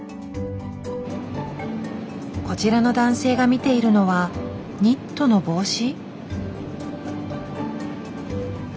こちらの男性が見ているのはニットの帽子？